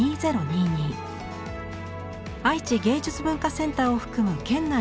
愛知芸術文化センターを含む県内